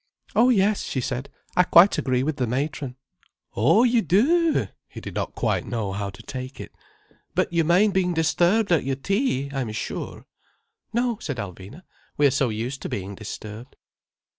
"Oh yes," she said. "I quite agree with the matron." "Oh, you do!" He did not quite know how to take it. "But you mind being disturbed at your tea, I am sure." "No," said Alvina. "We are so used to being disturbed."